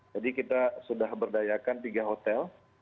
jadi kita sudah berdayakan tiga hotel